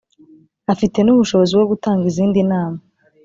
afite n’ubushobozi bwo gutanga izindi nama